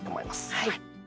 はい。